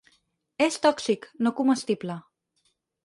És tòxic, no comestible.